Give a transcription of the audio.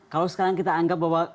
kalau sekarang kita anggap bahwa